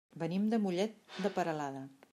Venim de Mollet de Peralada.